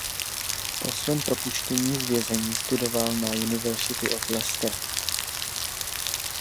Po svém propuštění z vězení studoval na University of Leicester.